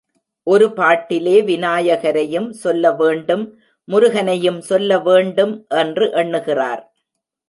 ஒரு பாட்டிலே விநாயகரையும் சொல்ல வேண்டும் முருகனையும் சொல்ல வேண்டும் என்று எண்ணுகிறார்.